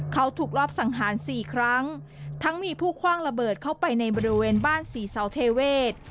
เขาถูกรอบสังหารสี่ครั้งทั้งมีผู้คว่างระเบิดเข้าไปในบริเวณบ้านศรีเสาเทเวศ